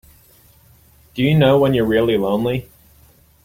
Do you know when you're really lonely?